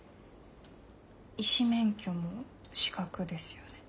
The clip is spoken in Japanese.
医師免許も資格ですよね。